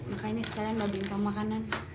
makanya sekalian mbak bintang makanan